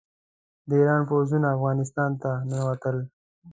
د ایران پوځونه افغانستان ته ننوتل.